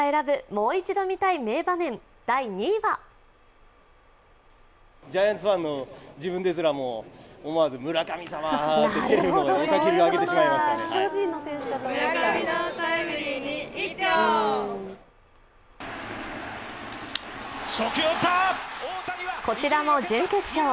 もう一度見たい名場面、第２位はこちらも準決勝。